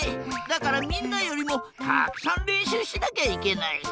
だからみんなよりもたくさんれんしゅうしなきゃいけない。